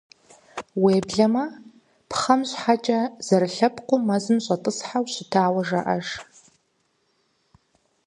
Уеблэмэ, пхъэм щхьэкӏэ зэрылъэпкъыурэ мэзым щӏэтӏысхьэу щытауэ жаӏэж.